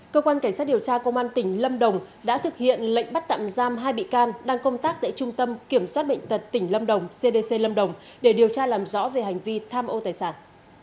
cơ quan cảnh sát điều tra công an tỉnh lâm đồng đã thực hiện lệnh bắt tạm giam hai bị can đang công tác tại trung tâm kiểm soát bệnh tật tỉnh lâm đồng cdc lâm đồng để điều tra làm rõ về hành vi tham ô tài sản